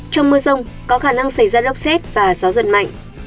trong mưa rông có khả năng xảy ra lốc xét và gió giật mạnh